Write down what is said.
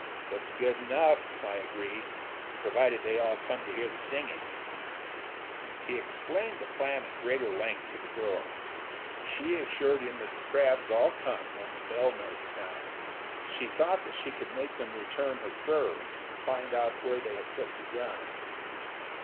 "Looks good enough," I agreed, "provided they all come to hear the singing." He explained the plan at greater length to the girl. She assured him that the crabs all come when the bell notes sound. She thought that she could make them return her furs, and find out where they had put the gun.